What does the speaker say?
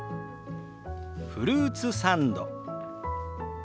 フルーツサンド。